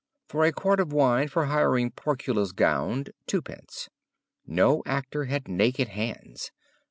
'For a quart of wine for hiring Porcula's gown, iid.' No actor had naked hands.